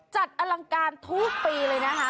อลังการทุกปีเลยนะคะ